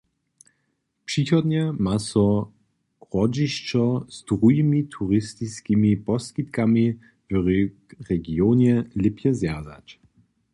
Přichodnje ma so hrodźišćo z druhimi turistiskimi poskitkami w regionje lěpje zwjazać.